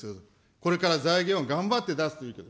これから財源を頑張って出すというけど。